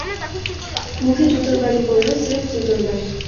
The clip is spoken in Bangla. মুখে জুতোর বাড়ি পড়ল, স্রেফ জুতোর বাড়ি।